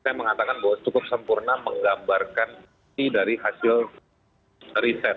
saya mengatakan bahwa cukup sempurna menggambarkan ini dari hasil riset